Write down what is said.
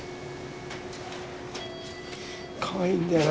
かわいいんだよな。